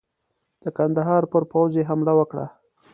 د کندهار پر پوځ یې حمله وکړه.